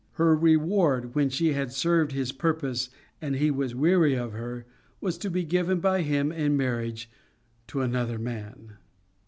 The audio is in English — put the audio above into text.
Her reward, when she had served his purpose and he was weary of her, was to be given by him in marriage to another man.